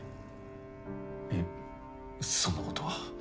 いえそんなことは。